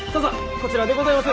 こちらでございます！